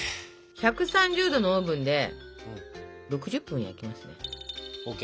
１３０℃のオーブンで６０分焼きますね。ＯＫ！